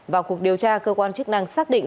vào cuộc điều tra cơ quan chức năng xác định